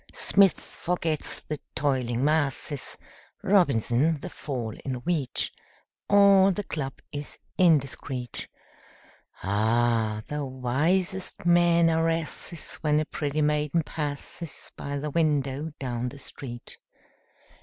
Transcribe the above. Smith forgets the "toiling masses," Robinson, the fall in wheat; All the club is indiscret. Ah, the wisest men are asses When a pretty maiden passes By the window down the street!